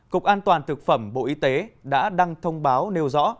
cục an toàn thực phẩm bộ y tế đã đăng thông báo nêu rõ